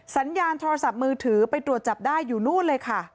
สัญญาณโทรศัพท์มือถือไปตรวจจับได้อยู่นู่นเลยค่ะ